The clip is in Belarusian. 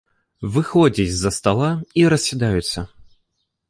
Выходзяць з-за стала і рассядаюцца.